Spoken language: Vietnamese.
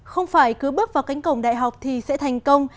không phải cứ bước vào cánh cổng đại học thì sẽ thành công